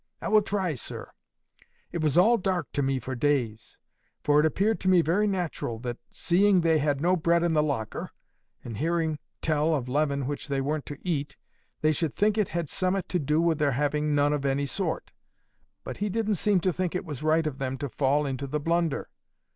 "I will try, sir. It was all dark to me for days. For it appeared to me very nat'ral that, seeing they had no bread in the locker, and hearing tell of leaven which they weren't to eat, they should think it had summat to do with their having none of any sort. But He didn't seem to think it was right of them to fall into the blunder.